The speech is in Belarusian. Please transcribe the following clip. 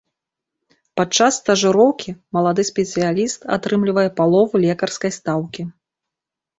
Падчас стажыроўкі малады спецыяліст атрымлівае палову лекарскай стаўкі.